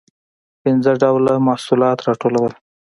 پنځه ډوله محصولات راټولول.